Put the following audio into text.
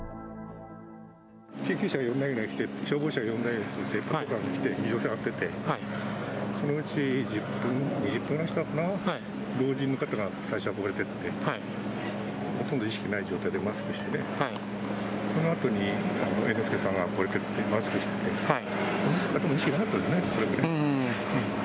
救急車が４台ぐらい来て、消防車が４台ぐらい来てて、パトカーが来て、規制線も張ってて、そのうち１０分、２０分ぐらいしてからかな、老人の方が最初、運ばれていって、ほとんど意識ない状態で、マスクして、そのあとに猿之助さんが運ばれていって、マスクしてて、猿之助さんも意識なかったですね。